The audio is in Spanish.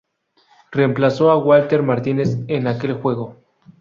Reemplazó a Walter Martínez en aquel juego.